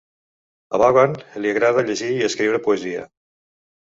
A Vaughn li agrada llegir i escriure poesia.